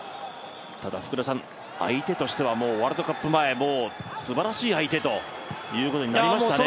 ただ、相手としてはワールドカップ前、すばらしい相手ということになりましたね。